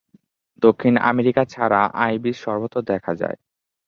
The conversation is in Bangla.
দক্ষিণ আমেরিকা ছাড়া আইবিস সর্বত্র দেখা যায়।